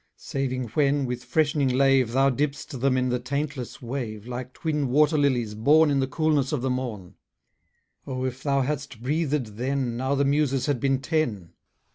Saving when, with freshening lave, Thou dipp'st them in the taintless wave; Like twin water lillies, born In the coolness of the morn. O, if thou hadst breathed then, Now the Muses had been ten.